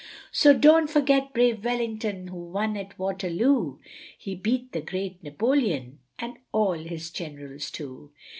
CHORUS. So don't forget brave Wellington, who won at Waterloo, He beat the great Napoleon and all his generals too.